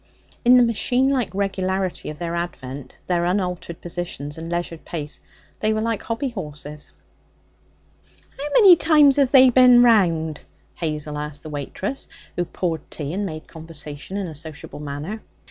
In the machine like regularity of their advent, their unaltered positions, and leisured pace, they were like hobby horses. 'How many times have they bin round?' Hazel asked the waitress, who poured tea and made conversation in a sociable manner.